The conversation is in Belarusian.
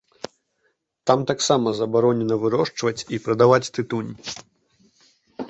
Там таксама забаронена вырошчваць і прадаваць тытунь.